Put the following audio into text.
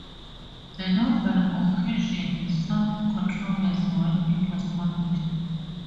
The novel occasioned some controversy when it was published.